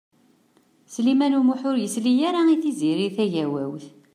Sliman U Muḥ ur yesli ara i Tiziri Tagawawt.